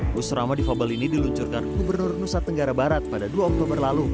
bus ramah difabel ini diluncurkan gubernur nusa tenggara barat pada dua oktober lalu